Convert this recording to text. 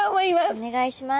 お願いします。